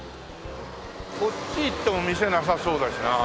こっち行っても店なさそうだしな。